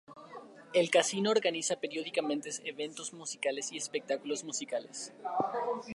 El casino organiza periódicamente eventos especiales y espectáculos musicales.